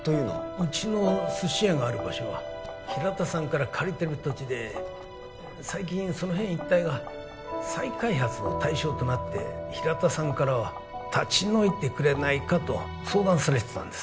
うちの寿司屋がある場所は平田さんから借りてる土地で最近その辺一帯が再開発の対象となって平田さんからは立ち退いてくれないかと相談されてたんです